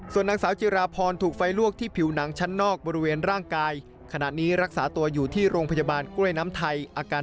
ส่วนนางสาวจีราพรถูกไฟลวกที่ผิวหนังชั้นนอกบริเวณร่างกาย